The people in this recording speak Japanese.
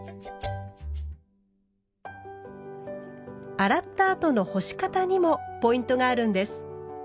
洗ったあとの干し方にもポイントがあるんです。